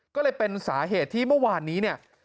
ก็เลยเป็นสาเหตุที่เมื่อวานนี้เนี่ย